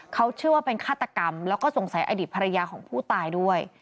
เขาเชื่อว่าเป็นฆาตกรรมแล้วก็สงสัยอดีตภรรยาของผู้ตายด้วย